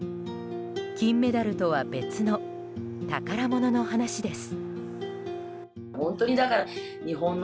金メダルとは別の宝物の話です。